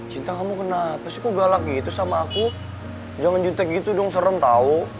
cinta kamu kenapa sih aku galak gitu sama aku jangan cinta gitu dong serem tau